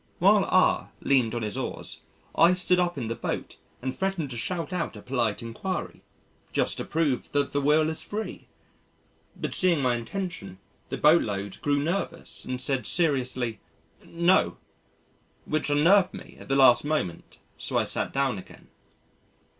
While R leaned on his oars, I stood up in the boat and threatened to shout out a polite enquiry just to prove that the will is free. But seeing my intention the boat load grew nervous and said seriously, "No," which unnerved me at the last moment so I sat down again.